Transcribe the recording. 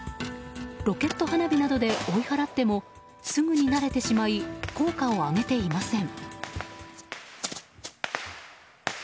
ロケット花火などで追い払ってもすぐに慣れてしまい効果を上げていません。